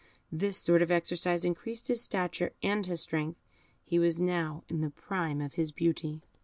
This sort of exercise increased his stature and his strength. He was now in the prime of his beauty.